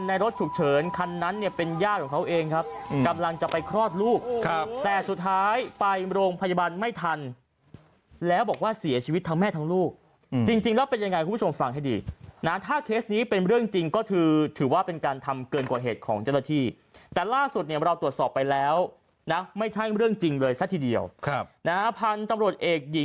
รถฉุกเฉินคันนั้นเนี่ยเป็นญาติของเขาเองครับกำลังจะไปคลอดลูกครับแต่สุดท้ายไปโรงพยาบาลไม่ทันแล้วบอกว่าเสียชีวิตทั้งแม่ทั้งลูกจริงแล้วเป็นยังไงคุณผู้ชมฟังให้ดีนะถ้าเคสนี้เป็นเรื่องจริงก็คือถือว่าเป็นการทำเกินกว่าเหตุของเจ้าหน้าที่แต่ล่าสุดเนี่ยเราตรวจสอบไปแล้วนะไม่ใช่เรื่องจริงเลยซะทีเดียว